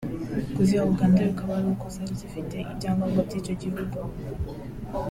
kuziha Uganda bikaba ari uko zari zifite ibyangombwa by’icyo gihugu